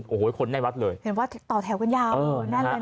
โอ้โหคนในวัดเลยเห็นว่าต่อแถวกันยาวแน่นเลยนะ